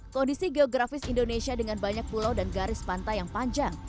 kondisi geografis indonesia dengan banyak pulau dan garis pantai yang panjang